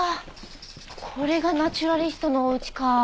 これがナチュラリストのお家か。